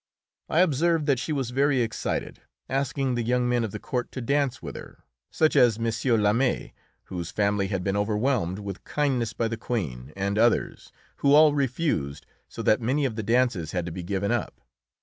I observed that she was very excited, asking the young men of the court to dance with her, such as M. Lameth, whose family had been overwhelmed with kindness by the Queen, and others, who all refused, so that many of the dances had to be given up.